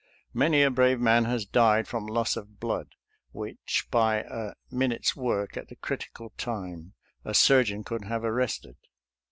Many a brave man has died from loss of blood, which by a minute's work at the critical time a surgeon could have arrested."